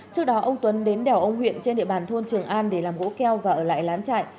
trước đó ông tuấn đến đèo ông huyện trên địa bàn thôn trường an để làm gỗ keo và ở lại lán chạy